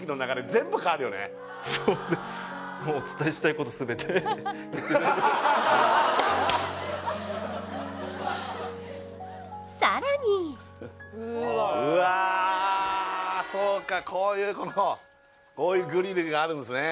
あの窓があるかないかでさらにうわそうかこういうことこういうグリルがあるんですね